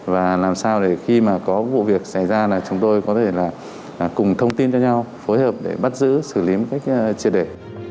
và làm sao để khi mà có vụ việc xảy ra là chúng tôi có thể là cùng thông tin cho nhau phối hợp để bắt giữ xử lý một cách triệt đề